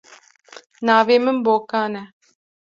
Navê min Bokan e.